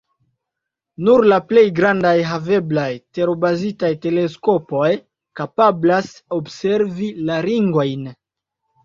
Nur la plej grandaj haveblaj tero-bazitaj teleskopoj kapablas observi la ringojn.